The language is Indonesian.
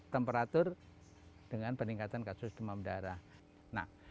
temperatur dengan peningkatan kasus demam darah